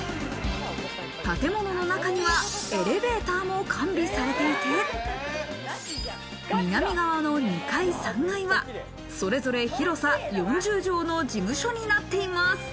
建物の中にはエレベーターも完備されていて、南側の２階、３階はそれぞれ広さ４０帖の事務所になっています。